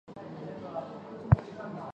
威廉斯早年就读于。